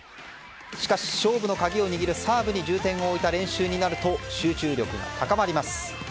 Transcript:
しかし、勝負の鍵を握るサーブに重点を置いた練習になると集中力が高まります。